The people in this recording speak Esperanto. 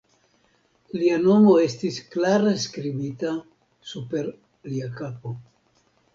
Lia nomo estis klare skribita super lia kapo.